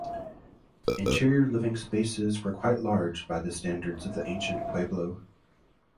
Interior living spaces were quite large by the standards of the Ancient Pueblo.